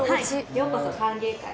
ようこそ歓迎会。